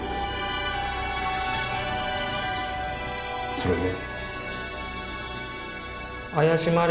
それで？